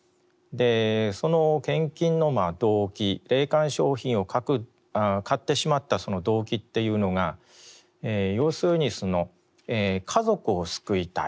その献金の動機霊感商品を買ってしまったその動機というのが要するに家族を救いたい先祖を救いたい。